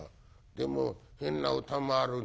でも変な歌もあるね。